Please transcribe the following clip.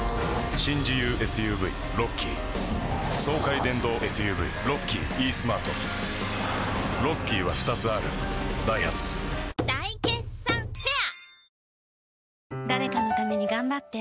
新自由ＳＵＶロッキー爽快電動ＳＵＶロッキーイースマートロッキーは２つあるダイハツ大決算フェア